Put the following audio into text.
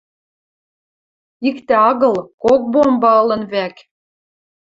Иктӹ агыл, кок бомба ылын вӓк.